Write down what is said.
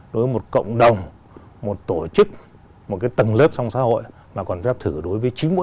đối với một cộng đồng một tổ chức một cái tầng lớp trong xã hội mà còn phép thử đối với chính mỗi